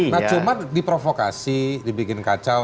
nah cuma diprovokasi dibikin kacau